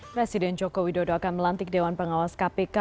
presiden jokowi dodo akan melantik dewan pengawas kpk